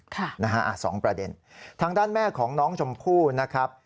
ค่ะนะฮะอ่ะสองประเด็นทางด้านแม่ของน้องชมพู่นะครับ